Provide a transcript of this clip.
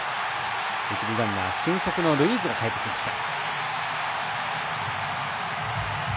一塁ランナー、俊足のルイーズがかえってきました。